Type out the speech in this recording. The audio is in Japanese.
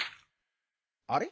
あれ？